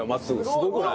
すごくない？